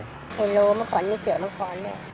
ไฮโลเมื่อก่อนมีเสี่ยงวังกรด้วย